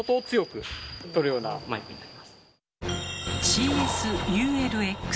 「ＣＳ−ＵＬＸ」。